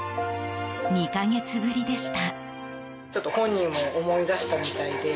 ２か月ぶりでした。